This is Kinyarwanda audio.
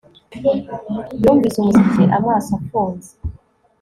Yumvise umuziki amaso afunze